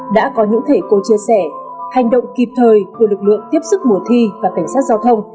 đã có những thể cô chia sẻ hành động kịp thời của lực lượng tiếp sức mùa thi và cảnh sát giao thông